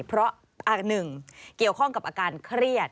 เพราะหนึ่งเกี่ยวข้องกับอาการเครียด